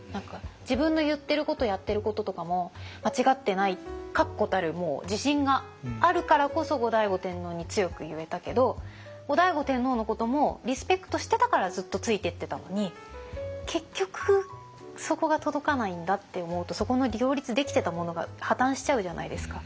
自分の言ってることやってることとかも間違ってない確固たる自信があるからこそ後醍醐天皇に強く言えたけど後醍醐天皇のこともリスペクトしてたからずっとついてってたのに結局そこが届かないんだって思うとそこの両立できてたものが破綻しちゃうじゃないですか。